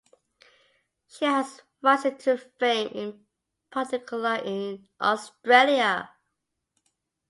She has risen to fame in particular in Australia.